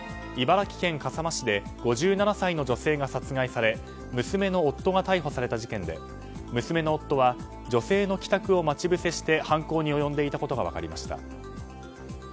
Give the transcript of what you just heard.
茨城県笠間市で５７歳の女性が殺害され娘の夫が逮捕された事件で娘の夫は女性の帰宅を待ち伏せして犯行に及んでいたことが分かりました。